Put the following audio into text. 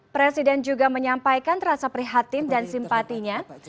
presiden juga menyampaikan rasa prihatin dan simpatinya